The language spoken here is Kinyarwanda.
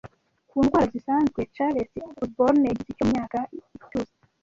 Ku ndwara zisanzwe Charles Osborne yagize icyo mumyaka Hiccups